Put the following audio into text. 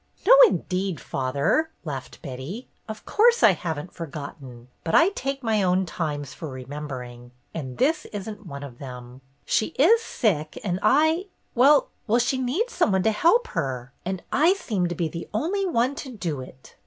"No, indeed, father !" laughed Betty. "Of course I have n't forgotten ; but I take my own times for remembering, and this is n't one of them. She is sick and I — well, she needs some one to help her, and I seem to be the only one to do it."